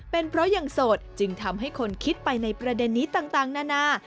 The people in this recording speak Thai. เป็นเพราะยังโสดจึงทำให้คนคิดไปในประเด็นนี้ต่างนานา